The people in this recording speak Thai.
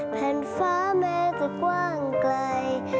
แผ่นฟ้าแม้จะกว้างไกล